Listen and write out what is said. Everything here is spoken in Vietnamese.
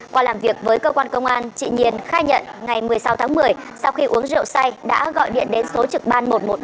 qua làm việc với cơ quan công an chị hiền khai nhận ngày một mươi sáu tháng một mươi sau khi uống rượu say đã gọi điện đến số trực ban một trăm một mươi ba